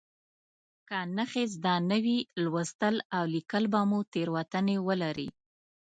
که نښې زده نه وي لوستل او لیکل به مو تېروتنې ولري.